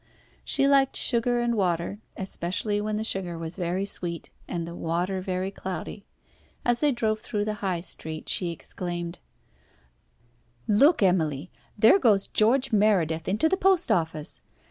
She liked sugar and water, especially when the sugar was very sweet, and the water very cloudy. As they drove through the High Street, she exclaimed "Look, Emily, there goes George Meredith into the post office.